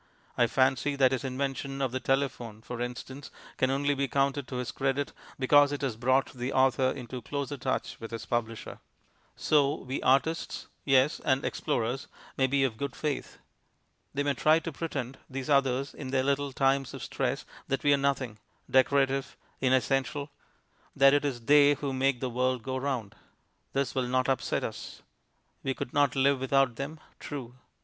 I fancy that his invention of the telephone (for instance) can only be counted to his credit because it has brought the author into closer touch with his publisher. So we artists (yes, and explorers) may be of good faith. They may try to pretend, these others, in their little times of stress, that we are nothing decorative, inessential; that it is they who make the world go round. This will not upset us. We could not live without them; true.